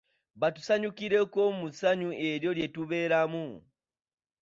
Batusanyukireko mu ssanyu eryo lye tubeeramu.